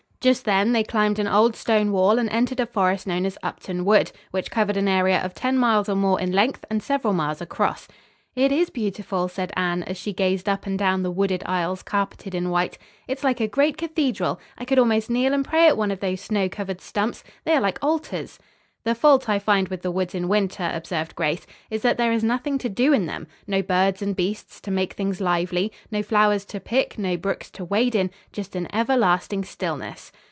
Just then they climbed an old stone wall and entered a forest known as "Upton Wood," which covered an area of ten miles or more in length and several miles across. "It is beautiful," said Anne as she gazed up and down the wooded aisles carpeted in white. "It is like a great cathedral. I could almost kneel and pray at one of these snow covered stumps. They are like altars." "The fault I find with the woods in winter," observed Grace, "is that there is nothing to do in them, no birds and beasts to make things lively, no flowers to pick, no brooks to wade in. Just an everlasting stillness."